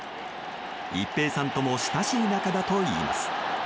一平さんとも親しい仲だといいます。